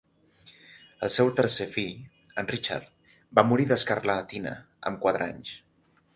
El seu tercer fill, en Richard, va morir d'escarlatina amb quatre anys.